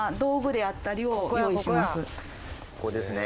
ここですね。